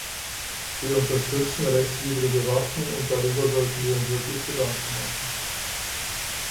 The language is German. Wir unterstützen rechtswidrige Waffen, und darüber sollten wir uns wirklich Gedanken machen.